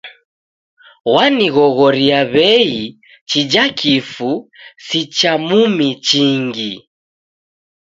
Wanighoghoria w'ei chija kifu si cha mumi chingi.